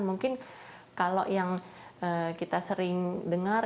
mungkin kalau yang kita sering dengar